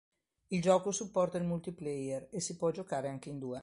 Il gioco supporta il multiplayer e si può giocare anche in due.